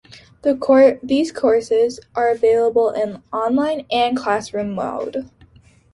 These Courses are available in online and class room mode.